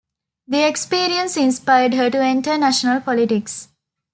The experience inspired her to enter national politics.